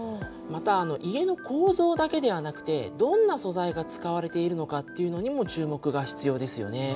また家の構造だけではなくてどんな素材が使われているのかっていうのにも注目が必要ですよね。